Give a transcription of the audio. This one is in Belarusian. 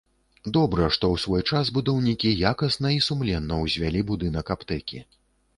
Добра, што ў свой час будаўнікі якасна і сумленна ўзвялі будынак аптэкі.